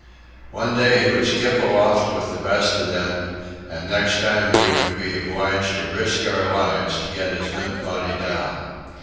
One day he would skip aloft with the best of them, and next time we would be obliged to risk our lives to get his limp body down.